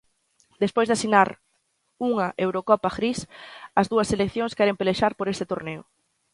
Despois de asinar unha Eurocopa gris, as dúas seleccións queren pelexar por este torneo.